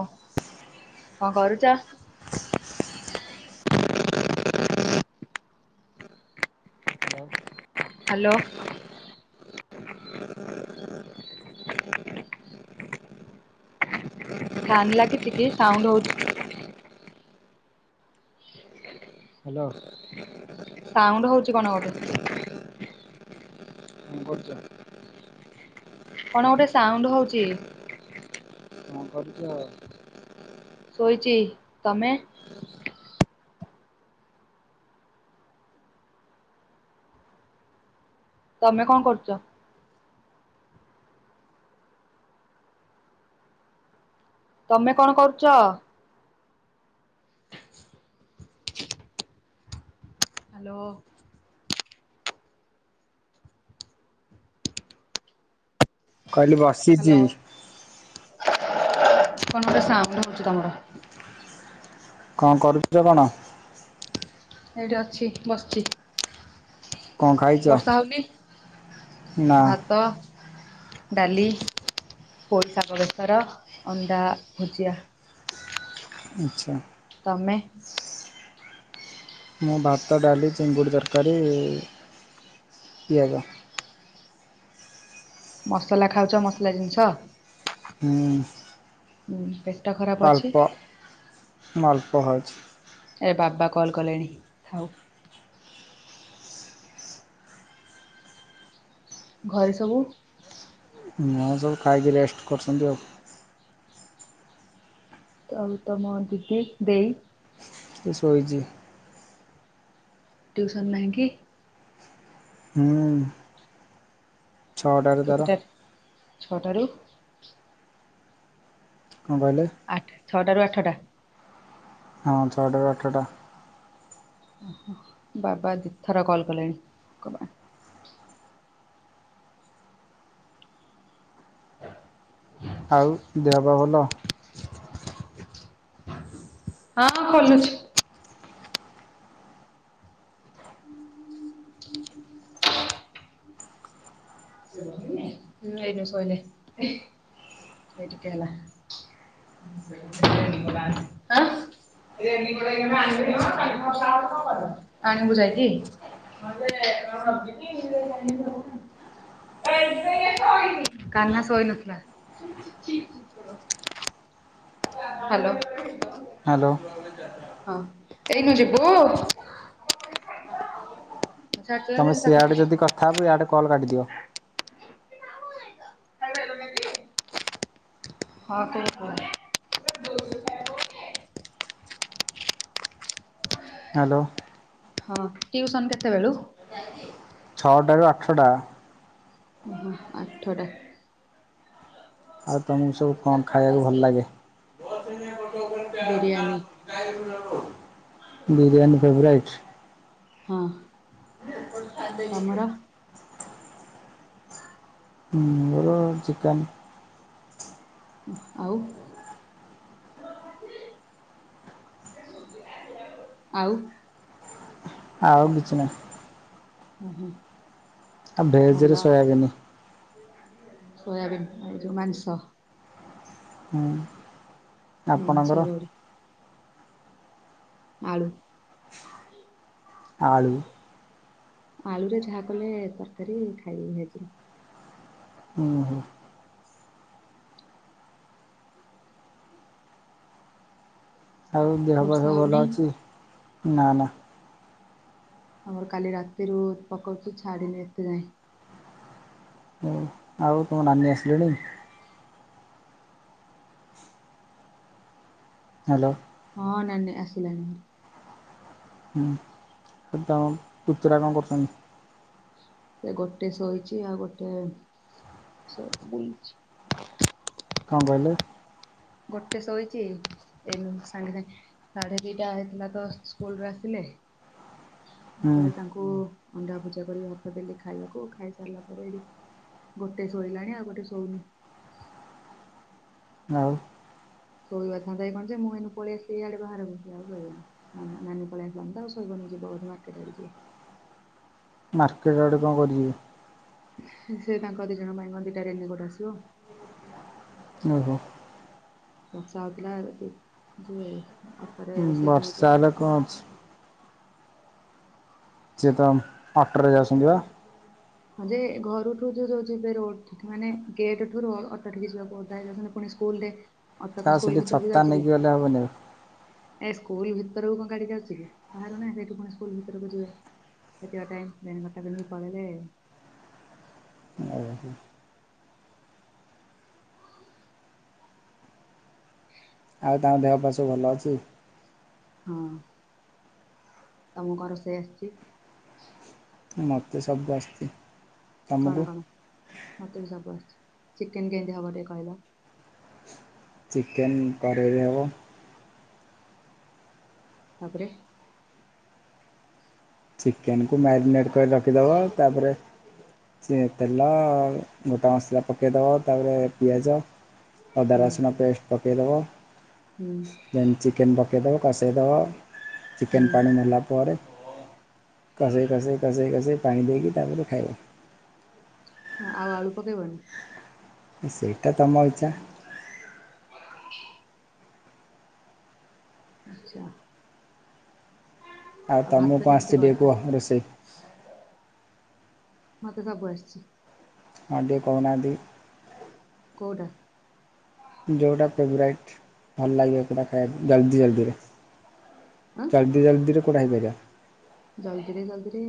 ଓଃ କଣ କରୁଚ? Hello hello. Fan ଲାଗିଚି କି? ସାଉଣ୍ଡ ହଉଛି। ହ୍ୟାଲୋ। ସାଉଣ୍ଡ ହଉଛି କଣ ଗୋଟେ? କଣ କରୁଚ? କଣ ଗୋଟେ ସାଉଣ୍ଡ ହଉଚି? କଣ କରୁଚ? ଶୋଇଚି। ତମେ? ତମେ କଣ କରୁଚ? ତମେ କଣ କରୁଚ? ହ୍ୟାଲୋ। କହିଲି ବସ୍ ହ୍ୟାଲୋ, କଣ ଗୋଟେ ସାଉଣ୍ଡ ହଉଛି ତମର? କଣ କରୁଚ କଣ? ହେଇଠି ଅଛି, ବସିଛି। କଣ ଖାଇଛ? ବର୍ଷା ହଉନି? ନା ଭାତ ଡାଲି, ପୋଇଶାଗ, ବେସର, ଅଣ୍ଡା ଭୁଜିଆ। ଆଚ୍ଛା। ତମେ ମୁଁ ଭାତ, ଡାଲି, ଚିଙ୍ଗୁଡ଼ି ତରକାରୀ, ପିଆଜ। ମସଲା ଖାଉଚ ମସଲା ଜିନିଷ? ହୁଁ। ଉଁ ପେଟ ଖରାପ ଅଛି‌ ଅଳ୍ପ ମୁଁ ଅଳ୍ପ ଖାଉଛି ଏ ବାବା କଲ୍ କଲେଣି ଥାଉ। ଘରେ ସବୁ? ନାଁ ସବୁ ଖାଇକି ରେଷ୍ଟ କରୁସନ୍ତି ଆଉ। ତମ୍ ତମ ଦିଦି ଦେଇ? ସେ ଶୋଇଚି। ଟ୍ୟୁସନ୍ ନାହିଁ କି? ହୁଁ। ଛଅଟାରେ ତାର କେତେଟାର୍ ଛଅଟାରୁ? କଁ କହିଲେ? ଆଠେ ଛଅଟାରୁ ଆଠଟା‌‌ ହଁ ଛଅଟାରୁ ଆଠଟା। ଅହ ବାବା ଦି ଥର କଲ୍ କଲେଣି କବା ଆଉ ଦେହ ପା ଭଲ? ହଁ ଖୋଲୁଛି। ଉଁ ହେଇନି ଶୋଇନି ଏଇ ଟିକେ ହେଲା। [inaudible] ଆଁ? ଆଣିବୁ ଯାଇକି? [inaudible] କାହ୍ନା ଶୋଇନଥିଲା। ହାଲୋ। ହାଲୋ। ହଁ ଏଇନୁ ଯିବୁ? ହଁ କୁହ ତମେ ସିଆଡ଼େ ଯଦି କଥା ହବ ଇଆଡ଼େ କଲ୍ କାଟିଦିଅ। ହଁ ଟିକୁ। ହାଲୋ। ହଁ ଟିଉସନ୍ କେତେବେଳୁ? ଛଅଟାରୁ ଆଠଟା। ଓହୋ ଆଠଟା। ଆଉ ତମୁକୁ ସବୁ କଁ ଖାଇବାକୁ ଭଲ ଲାଗେ? ବିରିୟାନୀ ବିରିୟାନୀ ଫେବରାଇଟ୍? ହଁ। ଆ ଦେଇ ଉଠୁ। ତମର? ହୁଁ ମୋର ଚିକେନ୍। ଅଃ ଆଉ? ଆଉ? ଆଉ କିଛି ନାଇଁ। ଓ ହଁ। ଆ ଭେଜ ରେ ସୋୟାବିନି। ସୋୟାବୀନ୍ ଆ ଯଉ ମାଂସ। ହୁଁ। ଆପଣଙ୍କର? ମାଂସ ଗଡେ ଆଳୁ। ଆଳୁ। ଆଳୁରେ ଯାହା କଲେ ତରକାରୀ ଖାଇ ହେଇଯିବ। ଅଁ ହଁ। ଆଉ ଦେହ ପା ବର୍ଷା ସବୁ ଭଲ ହଉନି ଅଛି। ଆମର କାଲି ରାତିରୁ ପକଉଚି ଛାଡିନି ଏତେ ଯାଏଁ। ହଉ ଆଉ ତମ ନାନୀ ଆସିଲେଣି। ହାଲୋ। ହଁ ନାନୀ ଆସିଲାଣି ଭାରି। ହୁଁ ଆଉ ତମ ପୁତୁରା କଁ କରୁଚନ୍ ସେ ଗୋଟେ ଶୋଇଚି ଆଉ ଗୋଟେ ସୁଇ ବୁଲୁଚି। କଣ କହିଲେ। ଗୋଟେ ଶୋଇଚି ଏଇନୁ ସାଙ୍ଗେ ସାଙ୍ଗେ। ସାଢେ ଦିଟା ହେଇଥିଲା ତ ସ୍କୁଲ ରୁ ଆସିଲେ ହୁଁ ସେ ତାଙ୍କୁ କୁ ଅଣ୍ଡା ଭୁଜିଆ କରି ହାତ ଦେଲି ଖାଇବାକୁ ଖାଇ ସାରିଲା ପରେ ଏଇଡି ଗୋଟେ ଶୋଇଲାଣି ଆଉ ଗୋଟେ ଶୋଉନି। ଆଉ। ଶୋଇବା ଥାନ୍ତା ଏ କଣ ଯେ ମୁଁ ଏଇନୁ ପଳେଇ ଆସି ଇଆଡ ବାହାରକୁ ସେ ଆଉ ଶୋଇବନି। ନାମା ନାନୀ ପଳେଇ ଆସିଲାଣି ତ ଆଉ ସୁଇବନି ଯିବ ବଧେ ମାର୍କେଟ ଆଡେ ଯିବ। ମାର୍କେଟ ଆଡେ କଣ କରିବି। ସେ ତାଙ୍କର ଦି ଜଣ ପାଇଁ କଣ ଦିଟା ରେନିକୋଟ ଆସିବ। ଓହୋ। ବର୍ଷା ହଉଥିଲା ରାତି ଯେ ଅ ଉଁ ବର୍ଷା ହେଲେ କଣ ଅଛି। ସିଏ ତ ଅଟରେ ଯାଉଛନ୍ତି ବା। ହଁ ଯେ ଘରଠୁ ଯୋଉ ଯୋଉ ଯିବେ ରୋ ଠିକି ମାନେ ଗେଟଠୁ ରୋ ଅଟୋ ଠିକି ଯିବାକୁ ଓଦା ହେଇଯାଉଛନ୍ତି ପୁଣି ସ୍କୁଲରେ ଅଟୋ ଆଉ କଣ ସେଠି ସ୍କୁଲ ଭିତରୁ କୁ ଛତା ଯାଉଛି କି। ନେଇକି ଗଲେ ହବନି? ଏ ସ୍କୁଲ ଭିତରକୁ କଣ ଗାଡ଼ି ଯାଉଛି କି ବାହାରୁ ନା ସେଇଠି ପୁଣି ସ୍କୁଲ ଭିତରକୁ ଯିବେ [unintelligible] ପିନ୍ଧି ପଳେଇଲେ। ଆଉ କଣ କୁହ ଆଉ ତାଙ୍କ ଦେହ ପା ସବୁ ଭଲ ଅଛି। ହଁ ତମ କଣ ରୋଷେଇ ଆସିଚି? ମତେ ସବୁ ଆସଚି। କଣ କଣ ମତେ ବି ସବୁ ଆସୁଚି ଚିକେନ କେମିତି ହବ ଟିକେ କହିଲ? ଚିକେନ୍ କରେଇରେ ହବ। ତାପରେ। ଚିକେନ୍ କୁ ମ୍ୟାରିନେଟ୍ କରି ରଖିଦବ ତାପରେ। ସେ ତେଲ ଗୋଟା ମସଲା ପକେଇଦବ ତାପରେ ପିଆଜ। ଅଦା ହୁଁ ରସୁଣ ପେଷ୍ଟ ପକେଇଦବ ହୁଁ ଯେ ଚିକେନ୍ ପକେଇଦବ କଷେଇଦବ ଚିକେନ୍ ହୁଁ ପାଣି ମଲା ପରେ। କାଷି କାଷି କାଷି କାଷି ପାଣି ପିଇକି ତାପରେ ଖାଇବ। ହଁ ଆଉ ଆଳୁ ପକେଇବନି। ସେଇଟା ତମ ଇଚ୍ଛା। ଆଛା। ଆଉ ଭାତ ତମକୁ କଁ କେମିତି ଆସୁଛି ଟିକେ କରୁଛ କୁହ ରୋଷେଇ ମତେ ସବୁ ଆସୁଛି। କଁ ଟିକେ କହୁନାହାନ୍ତି। କୋଉଟା। ଯୋଉଟା ଫେବରାଇଟ୍ ଭଲ ଲାଗିବ ସେଇଟା ଖାଇବାକୁ ଜଲ୍ଦି ଜଲ୍ଦିରେ। ଆଁ ଜଲ୍ଦିଦି ଜଲଦିରେ କୋଉଟା ହେଇପାରିବ। ଜଲ୍ଦିରେ ଜଲ୍ଦିରେ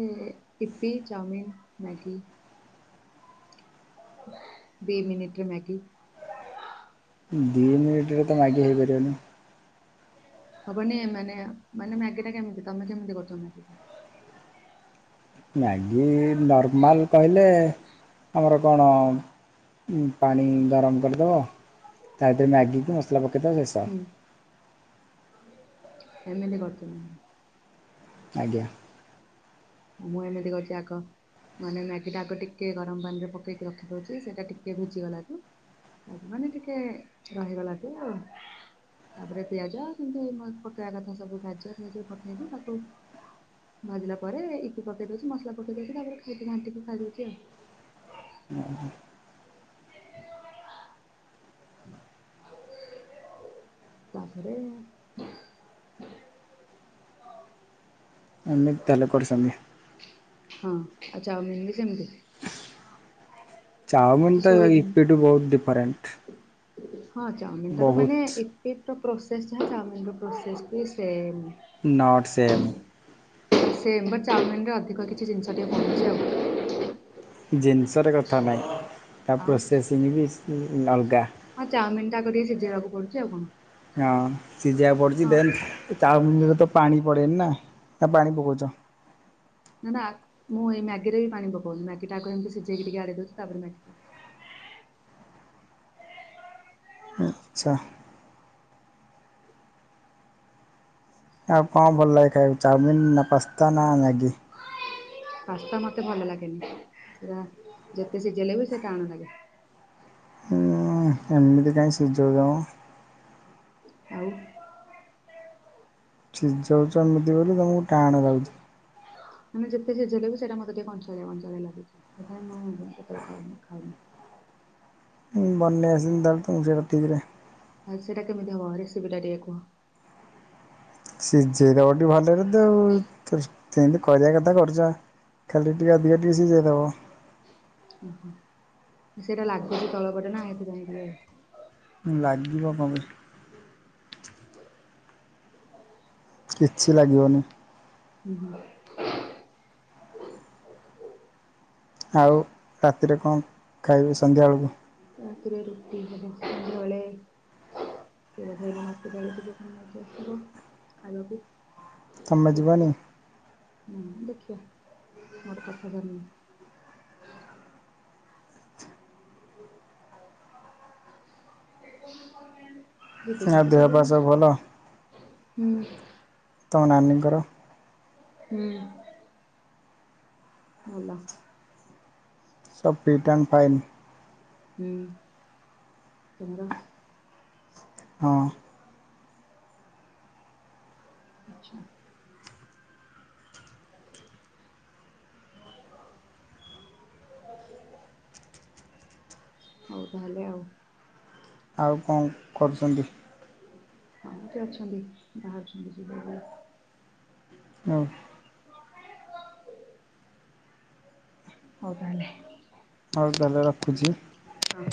ଇପି ଚାଉମିିନ ମ୍ୟାଗି। ଦି ମିନିଟରେ ମ୍ୟାଗି। ଦିଇ ମିନିଟ ରେ ତ ମାଗି ହେଇପାରିବନି। ହବନି ମାନେ ମାନେ ମ୍ୟାଗି ଟା କେମିତି ତମେ କେମିତି କରୁଛ ମ୍ୟାଗି ଟା। ମ୍ୟାଗି ନର୍ମାଲ କହିଲେ ଆମର କଣ। ପାଣି ଗରମ କରିଦବ ତା ଭିତରେ ମ୍ୟାଗିକି ମସଲା ପକେଇ ଦବ ବେସ୍। ହୁଁ ଏମିତି କରୁଛ ମ୍ୟାଗି। ଆଜ୍ଞା। ମୁଁ ଏମିତି କରୁଛି ଆଗ। ମାନେ ମ୍ୟାଗିଟା ଆଗ ଟିକେ ଗରମ ପାଣି ରେ ପକେଇକି ରଖିଦଉଛି ସେଇଟା ଟିକେ ଭିଜିଗଲା ଠୁ। ଉ ମାନେ ଟିକେ ରହିଗଲା ଠୁ। ତାପରେ ପିଆଜ ଯେମିତି ପକେଇବା କଥା ସବୁ ଗାଜର ଫାଜର ପକେଇକି ତାକୁ। ଭାଜିଲା ପରେ ଇପି ପକେଇ ଦଉଛି ମସଲା ପକେଇ ଦଉଛି ତାପରେ ଖାଇତେ ଘାଣ୍ଟି କି ଖାଇ ଦଉଛି ଆଉ। ଓ ହୋ। [unintelligible] ତାପରେ। ଏମତି ତାହେଲେ କରୁଛନ୍ତି। ହଁ ଆଉ ଚାଉମିିନ ବି ସେମିତି। ଚାଉମିିନ ତ ଶୋଇଲୁନି ଇପିଠୁ ବହୁତ ଡିଫରେଣ୍ଟ। ହଁ ଚାଉମିନ ଟାକୁ ମାନେ ବହୁତ ଇ ଇପିପ୍ ର ପ୍ରୋସେସ ଯାହା ଚାମିିନ ର ପ୍ରୋସେସ ବି same. Not same. Same but ଚାଓମିନରେ ଅଧିକ କିଛି ଜିନିଷ ଟିକେ ପଡୁଛି ଆଉ। ଜିନିଷରେ କଥା ନାହିଁ ତା ଆଉ ପ୍ରୋସେସିଂ ବି ସି ଅଲଗା। ହଁ ଚାଉମିନ ଟା କରି ସିଝେଇବାକୁ ପଡୁଛି ଆଉ କଣ। ହଁ ସିଝେଇିବାକୁ ପଡୁଛି ହଁ ଦେନ୍ ଚାଉମିନିରେ ତ ପାଣି ପଡେନି ନା ନା ପାଣି ପକଉଚ। ନା ମୁଁ ଏଇ ମ୍ୟାଗିରେ ବି ପାଣି ପକଉନି ମ୍ୟାଗି ଟା ଆଗ ଏମିତି ସିଝେଇକି ଟିକେ ଆଡ଼େଇଦଉଛି ତାପରେ ମ୍ୟାଗି ପକାଏ। ଆଚ୍ଛା। ଆଉ କଁ ଭଲ ଲାଗେ ଖାଇବାକୁ ଚାଉମିନ୍ ନା ପାସ୍ତା ନା ମ୍ୟାଗି। ପାସ୍ତା ମତେ ଭଲ ଲାଗେନି ସେରା ଯେତେ ସିଝେଇଲେ ବି ସେ ଟାଣ ଲାଗେ। ହୁଁ ଏମିତି କାଇଁ ସିଝଉଛ। ଆଉ। ସିଝଉଛ ଏମିତି ବୋଲି ତମକୁ ଟାଣ ଲାଗୁଚି। ମାନେ ଯେତେ ସିଝେଇଲେବି ସେଟା ମତେ ଟିକେ କଞ୍ଚାଳିଆ କଞ୍ଚଳଳିଆ ଲାଗୁଛି ସେଥିପାଇଁ ମୁଁ କେତେବେଳେ କରେନି ଖାଉନି। ବନେଇ ଆସେନି ତାହେଲେ ତମକୁ ଠିକ୍ ରେ। ଆଉ ସେଟା କେମିତି ହବ ରେସିପିଟା ଟିକେ କୁହ? ଶିଯେଇଦବ ଟିକେ ଭଲରେତ ଆଉ। ଯେମିତି କରିବା କଥା କରୁଚ ଖାଲି ଟିକେ ଅଧିକ ଟିକେ ସିଯେଇଦବ। ଓହୋ ସେଇଟା ଲାଗୁଚି ତଳପଟେନା ଏଥିପାଇଁ ଟିକେ ଲାଗିବ କଁ ପାଇଁ। କିଛି ଲାଗିବନି। ହୁଁ ହୁଁ। ଆଉ ରାତିରେ କଣ ଖାଇବେ ସନ୍ଧ୍ୟାବେଳକୁ? ରାତିରେ ରୁଟି ହେବ ସନ୍ଧ୍ୟାବେଳେ ସେଏ ବୋଧେ ଏଇନେ ମାର୍କେଟ ଆଡ଼େ ଯିବ କଣ ନେଇକି ଆସିବ ଖାଇବାକୁ। ତମେ ଯିବନି? ଗୁପଚୁପ୍ ହୁଁ ଦେଖିଆ ମୋର କଥା ସରିନି। [unintelligible] ଆଉ ଯଦି ଦେହ ପା ଯିବିନି ସବୁ ଭଲ? ହୁଁ। ତମ ନାନିଙ୍କର? ହୁଁ। ଭଲ। ସବୁ ଫିଟ୍ ଆଣ୍ଡ ଫାଇନ୍। ହୁଁ ତମର? ହଁ। ଆଚ୍ଛା। ହଉ ତାହଲେ ଆଉ। ଆଉ କଣ କରୁଚନ୍ତି? ହଁ ଏଇଠି ଅଛନ୍ତି ବାହାରୁଛନ୍ତି ଯିବା ପାଇଁ। ହଁ। ହଉ ତାହେଲେ। ହଉ ତାହେଲେ ରଖୁଛି। ହଁ